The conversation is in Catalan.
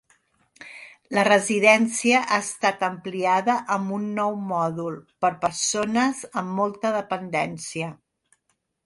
La residència ha estat ampliada amb un nou mòdul per persones amb molta dependència.